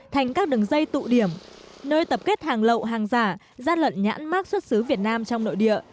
thành các đường dây tụ điểm nơi tập kết hàng lậu hàng giả gian lận nhãn mát xuất xứ việt nam trong nội địa